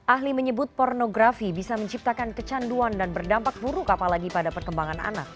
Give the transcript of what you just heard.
ahli menyebut pornografi bisa menciptakan kecanduan dan berdampak buruk apalagi pada perkembangan anak